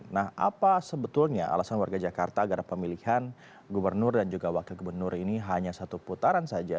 nah apa sebetulnya alasan warga jakarta agar pemilihan gubernur dan juga wakil gubernur ini hanya satu putaran saja